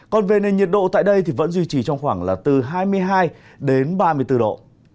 còn về nhiệt độ tại đây vẫn duy trì trong khoảng hai mươi hai ba mươi bốn độ